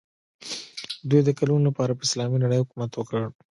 دوی د کلونو لپاره پر اسلامي نړۍ حکومت وکړ.